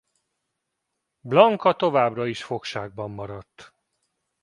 Blanka továbbra is fogságban maradt.